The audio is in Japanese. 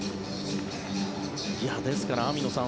ですから、網野さん